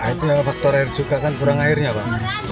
itu faktor air juga kan kurang airnya pak